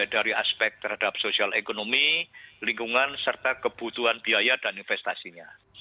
dari aspek terhadap sosial ekonomi lingkungan serta kebutuhan biaya dan investasinya